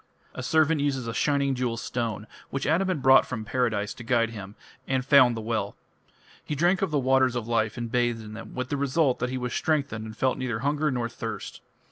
A servant uses a shining jewel stone, which Adam had brought from Paradise, to guide him, and found the well. He drank of the "waters of life" and bathed in them, with the result that he was strengthened and felt neither hunger nor thirst.